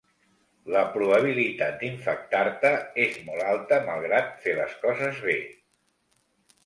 La probabilitat d’infectar-te és molt alta malgrat fer les coses bé.